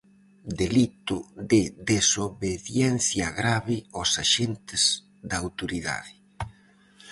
Delito de desobediencia grave aos axentes da autoridade.